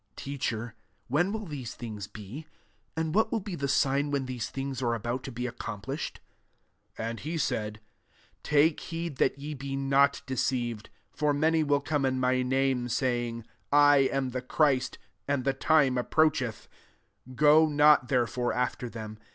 << Teacher, but when will these things be ? and what will be the sign when these things are about to be accomplished?" 8 And he said, '' Take heed that ye be not deceived: ibr many will come in my name, saying, * I am the Christ s and the time approacheth :' go not therefore after them.